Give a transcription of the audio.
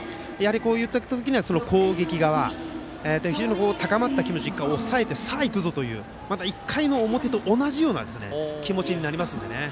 こういった時には攻撃側が高まった気持ちを抑えてさあ、行くぞという１回の表と同じような気持ちになりますのでね。